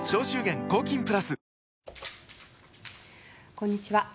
こんにちは。